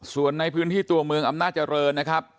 ส่วนในพื้นที่ตัวเมืองอำนาจริงนะครับ